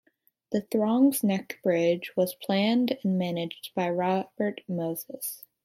The Throgs Neck Bridge was planned and managed by Robert Moses.